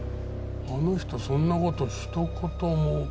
あの人そんな事ひと言も。